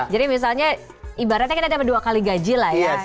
jadi misalnya ibaratnya kita dapet dua kali gaji lah ya